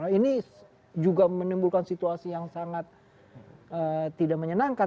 ini juga menimbulkan situasi yang sangat tidak menyenangkan